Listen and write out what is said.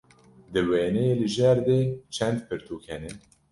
Di wêneyê li jêr de çend pirtûk hene?